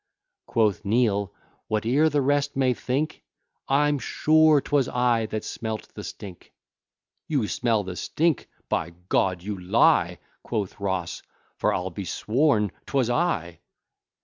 Quoth Neal, whate'er the rest may think, I'm sure 'twas I that smelt the stink. You smell the stink! by G d, you lie, Quoth Ross, for I'll be sworn 'twas I.